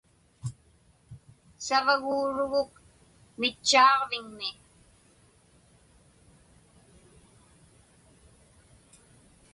Savaguuruguk mitchaaġviŋmi.